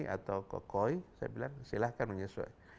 atau ke koi saya bilang silahkan menyesuai